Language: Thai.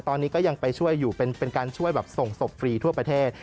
ตอนนี้ก็ยังไปช่วยอยู่เป็นการช่วยแบบส่งศพฟรีทั่วประเทศ